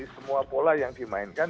semua pola yang dimainkan